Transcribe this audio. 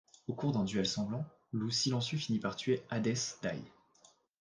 Au cours d'un duel sanglant, Loup silencieux finit par tuer Hadès Dai.